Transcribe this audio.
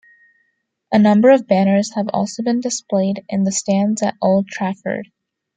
A number of banners have also been displayed in the stands at Old Trafford.